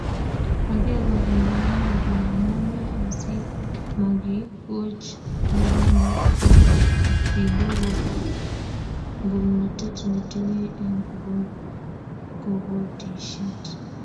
Age Kora neiimo ko amune asimakikoch neranik poroindo kobor ngomnatet netinyei eng kobotisiet